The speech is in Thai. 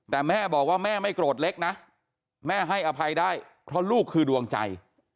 แต่แม่บอกว่าแม่ไม่โกรธเล็กนะแม่ให้อภัยได้เพราะลูกคือดวงใจ